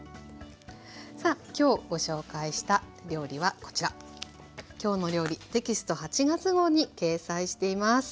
さあきょうご紹介した料理はこちら「きょうの料理」テキスト８月号に掲載しています。